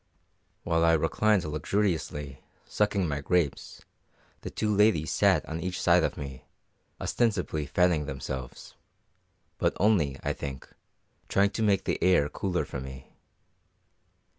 While I reclined luxuriously, sucking my grapes, the two ladies sat on each side of me, ostensibly fanning themselves, but only, I think, trying to make the air cooler for me.